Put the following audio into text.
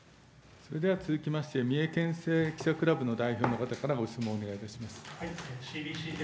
それでは続きまして、三重けんせい記者クラブの代表の方からご質問お願いいたします。